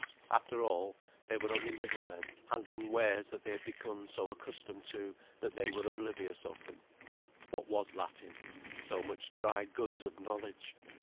After all, they were only middle men handling wares they had become so accustomed to that they were oblivious of them. What was Latin?—So much dry goods of knowledge.